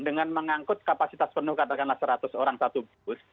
dengan mengangkut kapasitas penuh katakanlah seratus orang satu bus